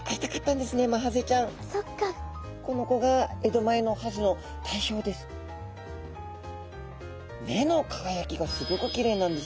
この子が江戸前のハゼの代表です。